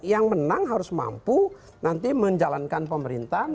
yang menang harus mampu nanti menjalankan pemerintahan